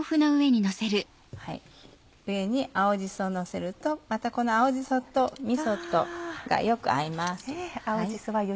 上に青じそをのせるとまたこの青じそとみそとがよく合います。